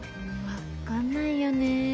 分かんないよね。